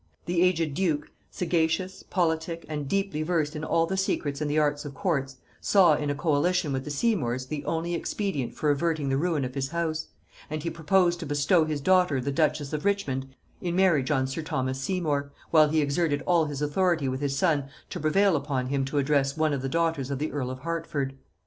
The aged duke, sagacious, politic, and deeply versed in all the secrets and the arts of courts, saw in a coalition with the Seymours the only expedient for averting the ruin of his house; and he proposed to bestow his daughter the duchess of Richmond in marriage on sir Thomas Seymour, while he exerted all his authority with his son to prevail upon him to address one of the daughters of the earl of Hertford.